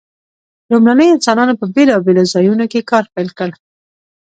لومړنیو انسانانو په بیلابیلو ځایونو کې کار پیل کړ.